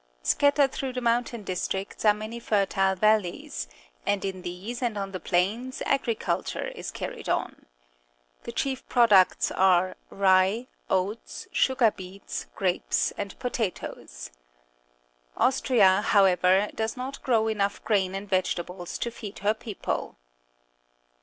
— Scattered through the moun tain districts are many fertile valleys, and in these and on the plains agriculture is carried on. The chief products are rye, oats, sugar beets, grapes, and potatoes. Austria, how ever, does not grow enough grain and vege tables to feed her people.